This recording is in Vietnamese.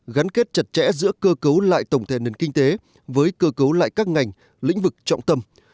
gắn kết chặt chẽ giữa cơ cấu lại tổng thể nền kinh tế với cơ cấu lại các ngành lĩnh vực trọng tâm